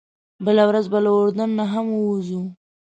بله ورځ به له اردن نه هم ووځو.